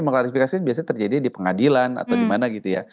mengklarifikasi biasanya terjadi di pengadilan atau di mana gitu ya